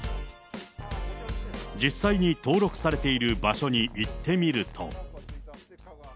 実際に登録されている場所に行ってみると。